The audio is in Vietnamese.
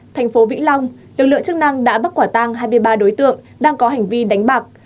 thành phố vĩnh long lực lượng chức năng đã bắt quả tang hai mươi ba đối tượng đang có hành vi đánh bạc